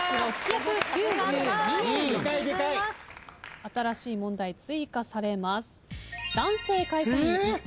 新しい問題追加されます。